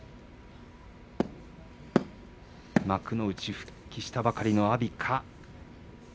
幕内復帰したばかりの阿炎か